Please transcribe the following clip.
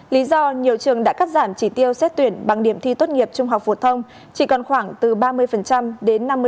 lý do nhiều trường đã cắt giảm chỉ tiêu xét tuyển bằng điểm thi tốt nghiệp trung học phổ thông chỉ còn khoảng từ ba mươi đến năm mươi